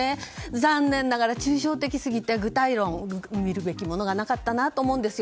残念ながら、抽象的すぎて具体論、見るべきものがなかったなと思うんですよ。